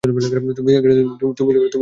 তুমি লোভী না?